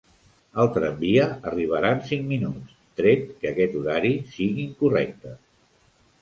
El tramvia arribarà en cinc minuts, tret que aquest horari sigui incorrecte.